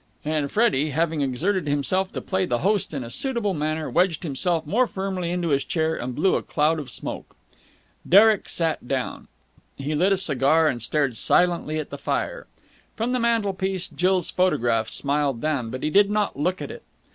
And Freddie, having exerted himself to play the host in a suitable manner, wedged himself more firmly into his chair and blew a cloud of smoke. Derek sat down. He lit a cigar, and stared silently at the fire. From the mantelpiece Jill's photograph smiled down, but he did not look at it.